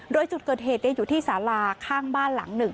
โดยจุดเกิดเหตุอยู่ที่สาลาข้างบ้านหลังหนึ่ง